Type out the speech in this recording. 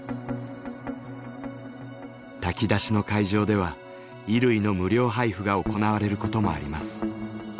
炊き出しの会場では衣類の無料配布が行われることもあります。